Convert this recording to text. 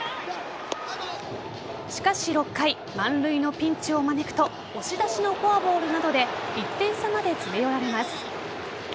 しかし６回満塁のピンチを招くと押し出しのフォアボールなどで１点差まで詰め寄られます。